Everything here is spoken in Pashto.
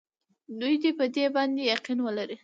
دوی دې په دې باندې یقین ولري.